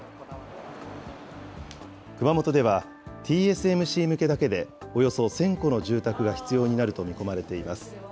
熊本では、ＴＳＭＣ向けだけで、およそ１０００戸の住宅が必要になると見込まれています。